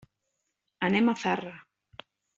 Anem a Zarra.